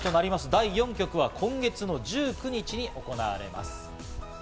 第４局は、今月の１９日に行われます。